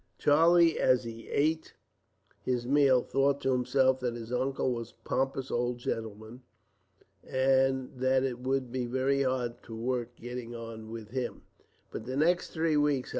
Charlie, as he ate his meal, thought to himself that his uncle was a pompous old gentleman, and that it would be very hard work getting on with him, for the next three weeks.